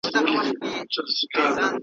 هغه بل دي جېب ته ګوري وايی ساندي ,